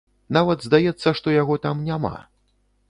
Нават здаецца, што яго там няма.